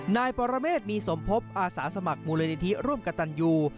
นายปรเมษมีสมภพอาสาสมัครมูลนิธิร่วมกับตันยู